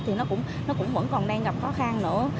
thì nó cũng vẫn còn đang gặp khó khăn nữa